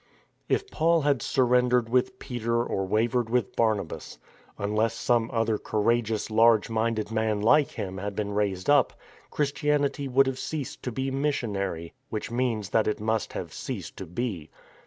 If Paul had surrendered with Peter or wavered with Barnabas, unless some other courageous large minded man like him had been raised up, Christianity would have ceased to be missionary; which means that it must have ceased to be.